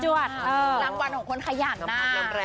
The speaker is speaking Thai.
รางวัลของคนขยันนะ